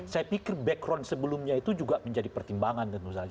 saya pikir background sebelumnya itu juga menjadi pertimbangan tentu saja